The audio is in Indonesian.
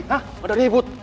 cit lakukan perfect